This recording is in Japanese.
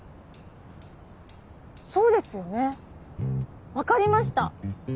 そうですよね分かりました。